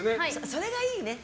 それがいいね。